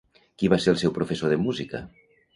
Qui va ser el seu professor de música?